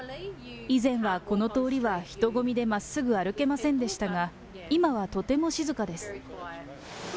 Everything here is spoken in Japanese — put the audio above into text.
以前はこの通りは人混みでまっすぐ歩けませんでしたが、今はとても静かです。